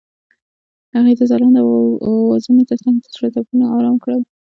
هغې د ځلانده اوازونو ترڅنګ د زړونو ټپونه آرام کړل.